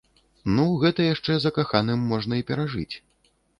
Ну, гэта яшчэ закаханым можна і перажыць.